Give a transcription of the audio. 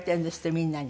みんなに。